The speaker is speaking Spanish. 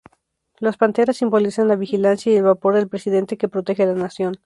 Las panteras simbolizan la vigilancia y el valor del presidente que protege la nación.